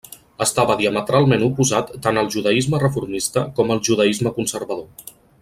Estava diametralment oposat tant al judaisme reformista, com al judaisme conservador.